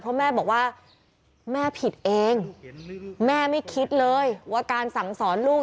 เพราะแม่บอกว่าแม่ผิดเองแม่ไม่คิดเลยว่าการสั่งสอนลูก